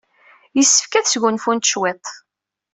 Yessefk ad sgunfunt cwiṭ.